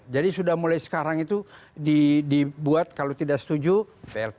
jadi sudah mulai sekarang itu dibuat kalau tidak setuju prt